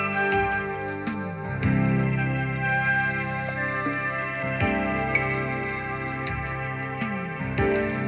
saya tidak menjadi abang